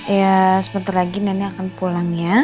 ya sebentar lagi nenek akan pulang ya